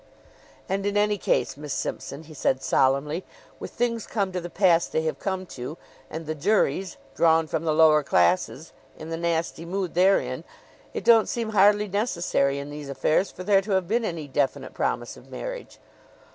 "And in any case, Miss Simpson," he said solemnly, "with things come to the pass they have come to, and the juries drawn from the lower classes in the nasty mood they're in, it don't seem hardly necessary in these affairs for there to have been any definite promise of marriage.